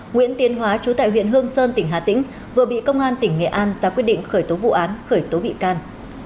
nguyễn tiến hóa chú tại huyện hương sơn tỉnh hà tĩnh vừa bị công an tỉnh nghệ an ra quyết định khởi tố vụ án khởi tố bị can